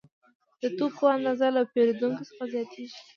د توکو اندازه له پیرودونکو څخه زیاتېږي